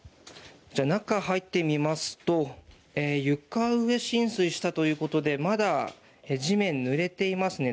中に入ってみますと床上浸水したということでまだ地面ぬれていますね。